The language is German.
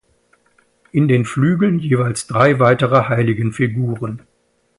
In den Flügeln jeweils drei weitere Heiligenfiguren.